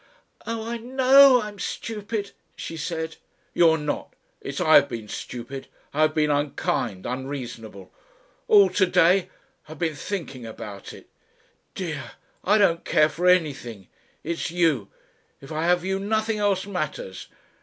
"Oh, I know I'm stupid," she said. "You're not. It's I have been stupid. I have been unkind, unreasonable. All to day ... I've been thinking about it. Dear! I don't care for anything It's you. If I have you nothing else matters